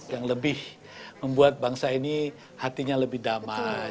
yang lebih membuat bangsa ini hatinya lebih damai